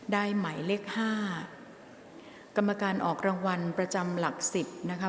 หมายเลข๕กรรมการออกรางวัลประจำหลักสิบนะคะ